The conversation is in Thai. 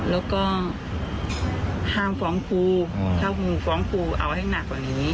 แล้วก็ห้ามฟ้องครูถ้าครูฟ้องครูเอาให้หนักกว่านี้